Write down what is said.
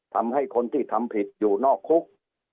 ทำให้คนที่ทำผิดอยู่นอกคุก